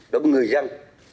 đối với người dân